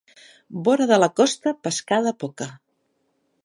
Vora de la costa, pescada poca.